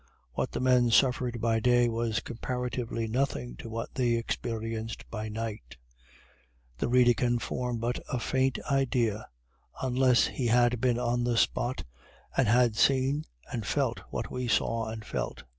What the men suffered by day, was comparatively nothing to what they experienced by night. The reader can form but a faint idea unless he had been on the spot, and had seen and felt what we saw and felt.